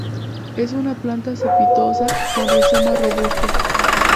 Es una planta cespitosa, con rizoma robusto.